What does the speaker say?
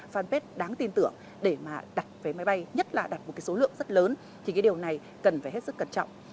đó là một cái fanpage đáng tin tưởng để mà đặt vé máy bay nhất là đặt một cái số lượng rất lớn thì cái điều này cần phải hết sức cẩn trọng